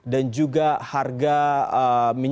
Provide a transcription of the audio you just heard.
dan juga harga minyak goreng